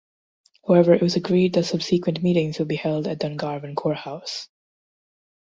However it was agreed that subsequent meetings would be held at Dungarvan Courthouse.